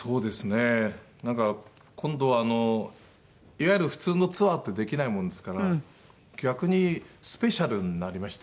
いわゆる普通のツアーってできないものですから逆にスペシャルになりまして。